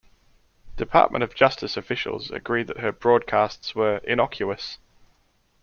Department of Justice officials agreed that her broadcasts were "innocuous".